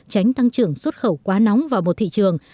tránh tăng trưởng xuất khẩu quá nóng vào một thị trường